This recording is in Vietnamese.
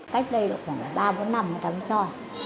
cách đây khoảng ba bốn năm người ta mới cho